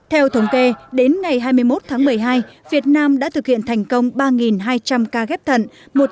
theo thống kê đến ngày hai mươi một tháng một mươi hai việt nam đã thực hiện thành công ba hai trăm linh ca ghép thận